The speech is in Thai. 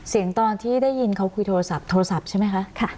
ตอนที่ได้ยินเขาคุยโทรศัพท์โทรศัพท์ใช่ไหมคะ